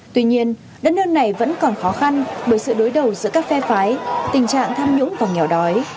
tuy nhiên đất nước này vẫn còn khó khăn bởi sự đối đầu giữa các phe phái tình trạng tham nhũng và nghèo đói